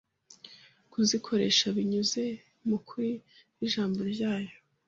kuzikoresha binyuze mu kuri kw’ijambo ryayo. …